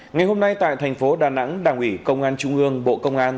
ngày hôm nay tại thành phố đà nẵng đảng ủy công an trung ương bộ công an